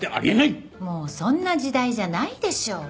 もうそんな時代じゃないでしょ。